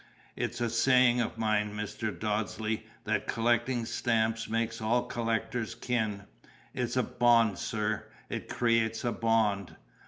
It's a saying of mine, Mr. Dodsley, that collecting stamps makes all collectors kin. It's a bond, sir; it creates a bond."